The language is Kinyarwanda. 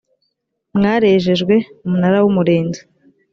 mwarejejwe umunara w umurinzi